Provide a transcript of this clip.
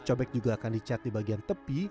cobek juga akan dicat di bagian tepi